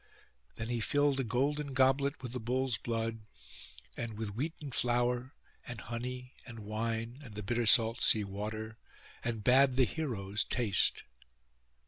Then he filled a golden goblet with the bull's blood, and with wheaten flour, and honey, and wine, and the bitter salt sea water, and bade the heroes taste.